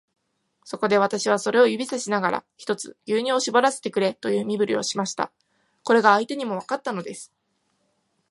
そこで、私はそれを指さしながら、ひとつ牛乳をしぼらせてくれという身振りをしました。これが相手にもわかったのです。